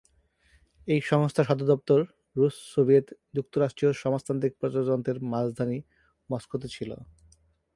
এই সংস্থার সদর দপ্তর রুশ সোভিয়েত যুক্তরাষ্ট্রীয় সমাজতান্ত্রিক প্রজাতন্ত্রের রাজধানী মস্কোতে ছিল।